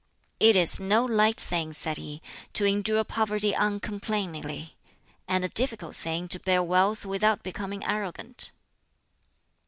"It is no light thing," said he, "to endure poverty uncomplainingly; and a difficult thing to bear wealth without becoming arrogant."